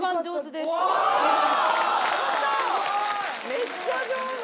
めっちゃ上手！